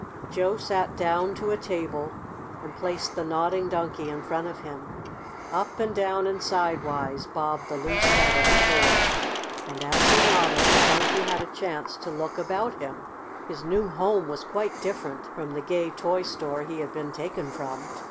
Joe sat down to a table and placed the Nodding Donkey in front of him. Up and down and sidewise bobbed the loose head of the toy. And, as he nodded, the Donkey had a chance to look about him. His new home was quite different from the gay toy store he had been taken from.